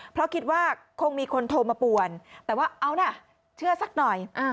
เพราะคิดว่าคงมีคนโทรมาป่วนแต่ว่าเอานะเชื่อสักหน่อย